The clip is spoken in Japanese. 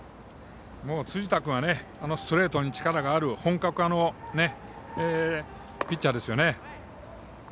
辻田君はストレートに力がある本格派のピッチャーですよね。